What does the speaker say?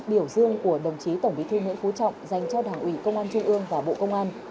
biểu dương của đồng chí tổng bí thư nguyễn phú trọng dành cho đảng ủy công an trung ương và bộ công an